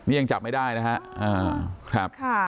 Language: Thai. นี่ยังจับไม่ได้นะครับ